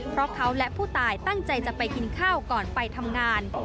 เพราะเขาและผู้ตายตั้งใจจะไปกินข้าวก่อนไปทำงาน